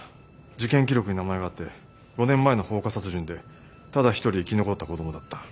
事件記録に名前があって５年前の放火殺人でただ一人生き残った子供だった。